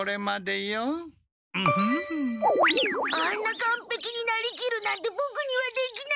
かんぺきになりきるなんてボクにはできない。